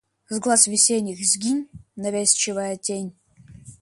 С глаз весенних сгинь, навязчивая тень!